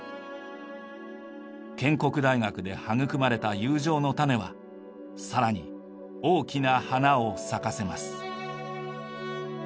建国大学で育まれた友情の種はさらに大きな花を咲かせます。